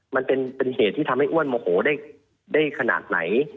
มันเป็นเหตุที่ทำให้อ้วนโมโหได้ขนาดไหน